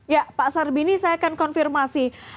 ya pak sarbini saya akan konfirmasi